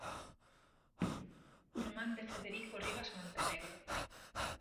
Irmán de Federico Ribas Montenegro.